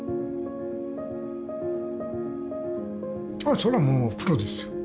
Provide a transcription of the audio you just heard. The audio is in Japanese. そりゃもうクロですよ。